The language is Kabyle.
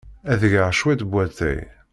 Ad d-geɣ cwiṭ n watay.